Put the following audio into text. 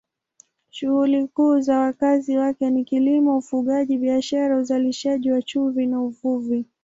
Shughuli kuu za wakazi wake ni kilimo, ufugaji, biashara, uzalishaji wa chumvi na uvuvi.